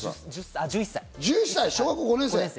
１１歳、小学５年生。